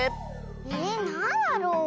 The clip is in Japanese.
えなんだろう？